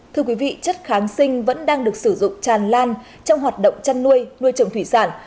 thưa quý vị chất kháng sinh vẫn đang được sử dụng tràn lan trong hoạt động chăn nuôi nuôi trồng thủy sản